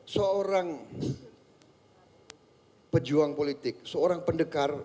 seorang pejuang politik seorang pendekar